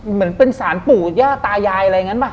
เหมือนเป็นสารปู่ย่าตายายอะไรอย่างนั้นป่ะ